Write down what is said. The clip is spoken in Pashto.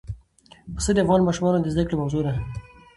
پسه د افغان ماشومانو د زده کړې موضوع ده.